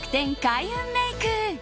開運メイク。